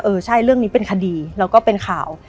ใช่เรื่องนี้เป็นคดีแล้วก็เป็นข่าว